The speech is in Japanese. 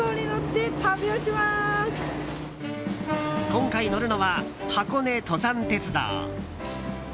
今回乗るのは、箱根登山鉄道。